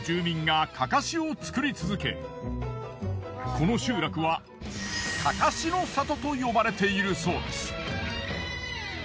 この集落はカカシの里と呼ばれているそうです。